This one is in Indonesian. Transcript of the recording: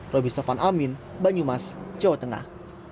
roby sofan amin banyumas jawa tengah